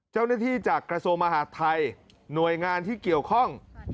เจ้าหน้าที่จากกระทรวงมหาธัยหน่วยงานที่เกี่ยวข้อง